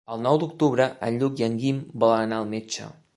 El nou d'octubre en Lluc i en Guim volen anar al metge.